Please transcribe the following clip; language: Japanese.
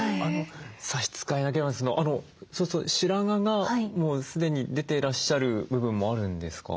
差し支えなければそうすると白髪がもう既に出ていらっしゃる部分もあるんですか？